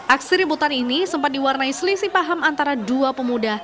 aksi rebutan ini sempat diwarnai selisih paham antara dua pemuda